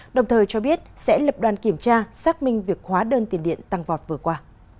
đồng thời cho biết sẽ lập đoàn kiểm tra xác minh việc hóa đơn tiền điện tăng vọt vừa qua